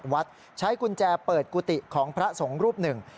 ทำความสะอาดวัดใช้กุญแจเปิดกุฏิของพระสงฆ์รูปหนึ่ง